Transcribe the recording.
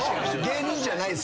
芸人じゃないの。